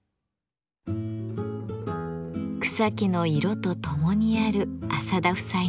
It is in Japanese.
草木の色とともにある浅田夫妻の暮らし。